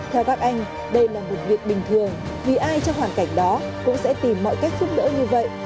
theo các anh đây là một việc bình thường vì ai trong hoàn cảnh đó cũng sẽ tìm mọi cách giúp đỡ như vậy